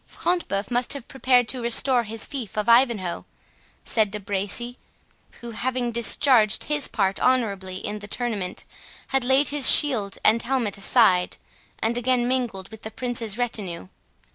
"Front de Bœuf must prepare to restore his fief of Ivanhoe," said De Bracy, who, having discharged his part honourably in the tournament, had laid his shield and helmet aside, and again mingled with the Prince's retinue.